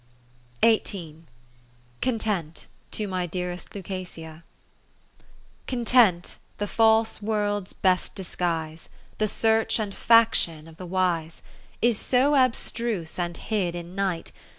30 Content, To my dearest Lucasia I Content, the false World's best disguise. The search and faction of the wise, Is so abstruse and hid in night.